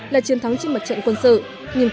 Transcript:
là chiến thắng trên mặt trận quân sự